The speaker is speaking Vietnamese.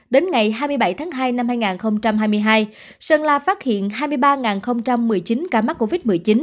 đến ngày hai mươi bảy tháng hai năm hai nghìn hai mươi hai sơn la phát hiện hai mươi ba một mươi chín ca mắc covid một mươi chín